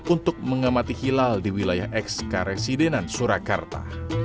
untuk mengamati hilal di wilayah ekskaresidenan surakarta